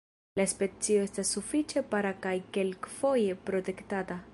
La specio estas sufiĉe rara kaj kelkfoje protektata.